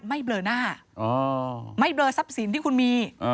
ไม่เบลอทรัพย์สินที่คุณมี